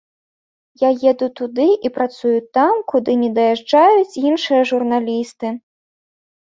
Я еду туды і працую там, куды не даязджаюць іншыя журналісты.